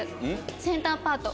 センターパート。